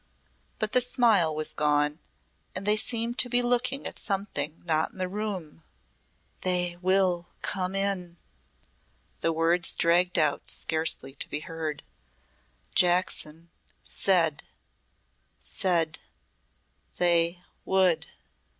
But the smile was gone and they seemed to be looking at something not in the room. "They will come in," the words dragged out scarcely to be heard. "Jackson said said they would."